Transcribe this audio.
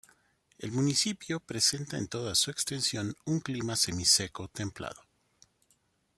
El municipio presenta en toda su extensión un clima Semiseco templado.